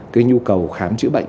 cái nhu cầu khám chữa bệnh